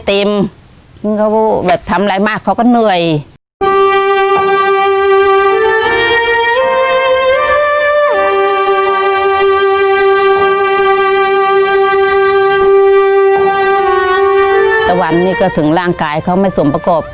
ติมก็แบบทำอะไรมากเขาก็เหนื่อยตะวันนี้ก็ถึงร่างกายเขาไม่ส่วนประกอบ